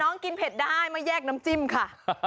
กินเผ็ดได้มาแยกน้ำจิ้มค่ะ